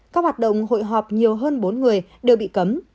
các hoạt động hội họp nhiều hơn bốn người đều bị cấm